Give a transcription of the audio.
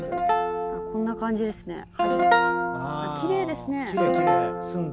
こんな感じですね。